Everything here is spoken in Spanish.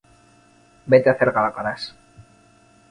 Vete a hacer gárgaras